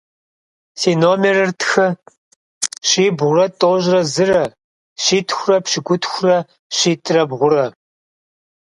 Си номерыр тхы: щибгъурэ тӏощӏрэ зырэ - щитхурэ пщыкӏутхурэ – щитӏрэ бгъурэ.